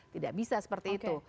tidak bisa seperti itu